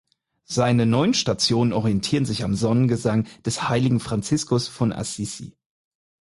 Seine neun Stationen orientieren sich am Sonnengesang des Heiligen Franziskus von Assisi.